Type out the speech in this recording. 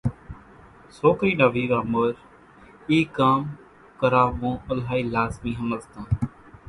سوڪرِي نا ويوا مورِ اِي ڪام ڪراوون الائِي لازمِي ۿمزتان۔